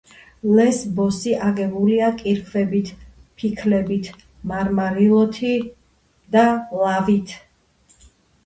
ლესბოსი აგებულია კირქვებით, ფიქლებით, მარმარილოთი და ლავით.